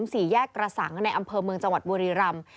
สี่แยกกระสังในอำเภอเมืองจังหวัดบุรีรำ